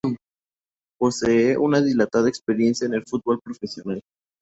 Posee una dilatada experiencia en el fútbol profesional.